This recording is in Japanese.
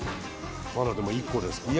まだでも１個ですからね。